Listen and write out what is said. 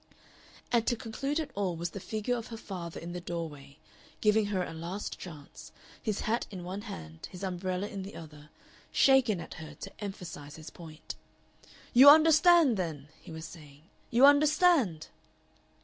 And to conclude it all was the figure of her father in the doorway, giving her a last chance, his hat in one hand, his umbrella in the other, shaken at her to emphasize his point. "You understand, then," he was saying, "you understand?"